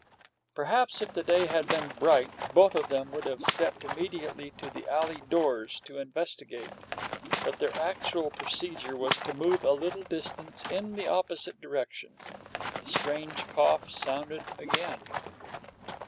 Perhaps if the day had been bright, both of them would have stepped immediately to the alley doors to investigate; but their actual procedure was to move a little distance in the opposite direction. The strange cough sounded again.